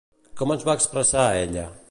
Com es va expressar, ella?